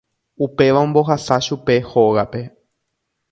Upéva ombohasa chupe hógape.